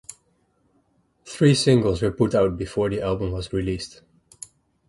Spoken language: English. Three singles were put out before the album was released.